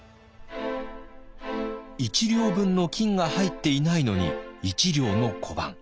１両分の金が入っていないのに１両の小判。